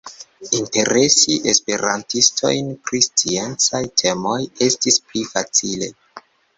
Interesi esperantistojn pri sciencaj temoj estis pli facile.